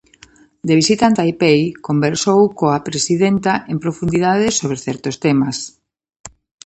De visita en Taipei, conversou coa presidenta "en profundidade sobre certos temas".